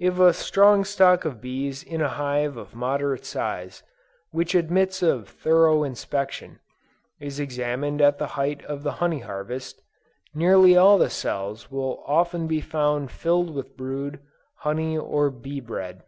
If a strong stock of bees in a hive of moderate size, which admits of thorough inspection, is examined at the height of the honey harvest, nearly all the cells will often be found filled with brood, honey or bee bread.